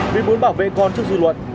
vì muốn bảo vệ con trước dư luận